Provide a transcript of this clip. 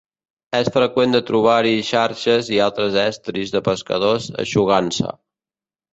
És freqüent de trobar-hi xarxes i altres estris de pescadors eixugant-se.